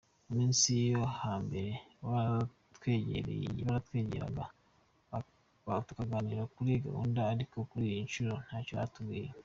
Mu minsi yo hambere baratwegeraga tukaganira kuri gahunda ariko kuri iyi nshuro ntacyo batubwiye.